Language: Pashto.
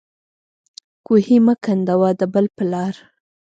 کوهی مه کنده د بل په لار.